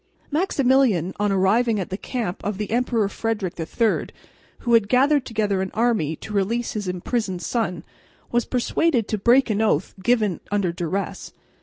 Maximilian, on arriving at the camp of the Emperor Frederick III, who had gathered together an army to release his imprisoned son, was persuaded to break an oath given under duress.